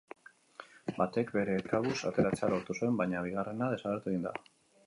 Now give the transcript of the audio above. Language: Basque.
Batek bere kabuz ateratzea lortu zuen, baina bigarrena desagertu egin da.